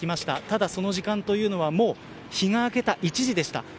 ただその時間は日が明けた１時でした。